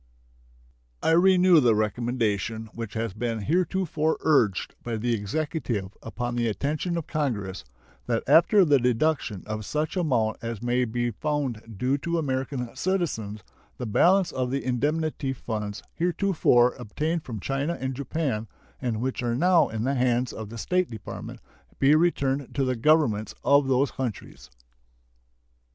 I renew the recommendation which has been heretofore urged by the Executive upon the attention of Congress, that after the deduction of such amount as may be found due to American citizens the balance of the indemnity funds heretofore obtained from China and Japan, and which are now in the hands of the State Department, be returned to the Governments of those countries.